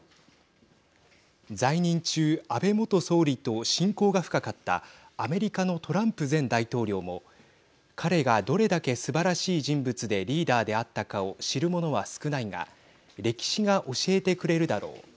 在任中安倍元総理と親交が深かったアメリカのトランプ前大統領も彼がどれだけすばらしい人物でリーダーであったかを知る者は少ないが歴史が教えてくれるだろう。